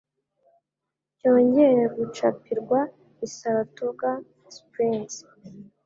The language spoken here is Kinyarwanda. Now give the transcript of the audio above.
cyongera gucapirwa i Saratoga Springs,